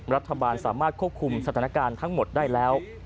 รัฐบาลสามารถควบคุมสถานการณ์ทั้งหมดได้แล้ว